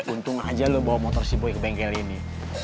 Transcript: untung aja lu bawa motor si boy ke bengkel ini